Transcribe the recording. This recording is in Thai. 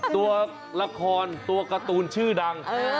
ตัวละครตัวการ์ตูนชื่อดัง